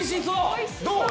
どう？